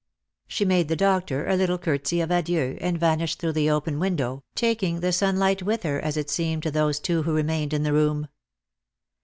She made the doctor a little curtsey of adieu, and vanished through the open window, taking the sunlight with her, as it seemed to those two who remained in the room.